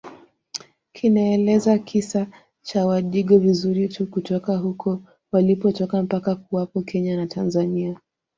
kinaeleza kisa cha wadigo vizuri tu kutoka huko walipotoka mpaka kuwapo Kenya na Tanzania